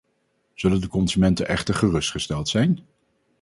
Zullen de consumenten echter gerustgesteld zijn?